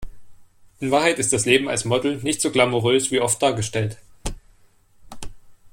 In Wahrheit ist das Leben als Model nicht so glamourös wie oft dargestellt.